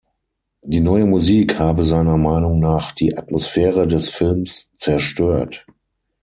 Die neue Musik habe seiner Meinung nach die Atmosphäre des Films zerstört.